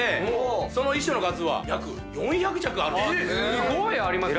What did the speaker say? すごいありますね。